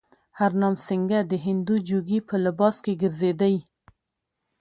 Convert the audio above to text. هرنام سینګه د هندو جوګي په لباس کې ګرځېدی.